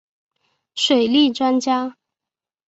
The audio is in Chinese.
水利专家。